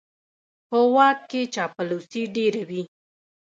په واک کې چاپلوسي ډېره وي.